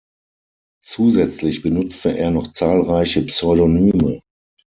Zusätzlich benutzte er noch zahlreiche Pseudonyme.